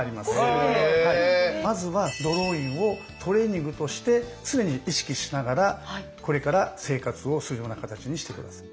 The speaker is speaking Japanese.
まずはドローインをトレーニングとして常に意識しながらこれから生活をするような形にして下さい。